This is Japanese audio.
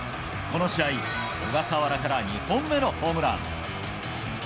この試合、小笠原から２本目のホームラン。